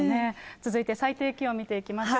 続いて最低気温見ていきましょう。